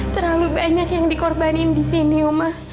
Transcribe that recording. terlalu banyak yang dikorbanin disini oma